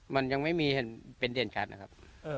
มันยังไม่มีเห็นเป็นเด่นชัดนะครับ